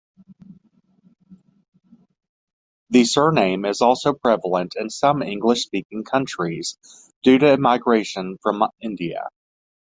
The surname is also prevalent in some English-speaking countries due to migration from India.